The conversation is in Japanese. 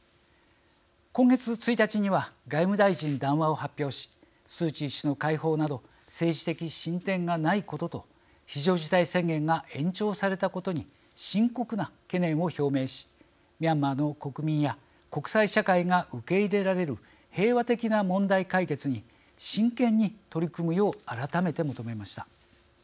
今月１日には外務大臣談話を発表しスー・チー氏の解放など政治的進展がないことと非常事態宣言が延長されたことに深刻な懸念を表明しミャンマーの国民や国際社会が受け入れられる平和的な問題解決に真剣に取り組むよう改めて求めました。